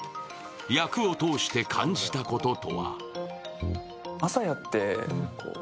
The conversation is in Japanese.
役を通して感じたこととは。